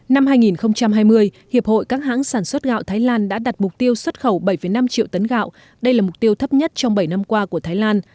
năm hai nghìn hai mươi hiệp hội các hãng sản xuất gạo thái lan đã đặt mục tiêu xuất khẩu bảy năm triệu tấn gạo đây là mục tiêu thấp nhất trong bảy năm qua của thái lan